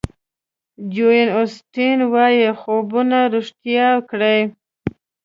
جویل اوسټین وایي خوبونه ریښتیا کړئ.